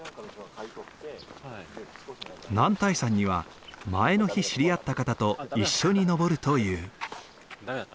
男体山には前の日知り合った方と一緒に登るという。